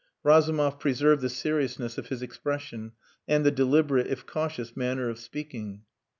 Razumov preserved the seriousness of his expression and the deliberate, if cautious, manner of speaking.